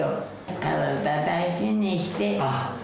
体を大事にして。